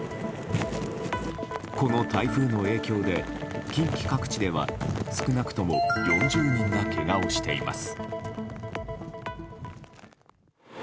この台風の影響で近畿各地では少なくとも４０人がけがをしています。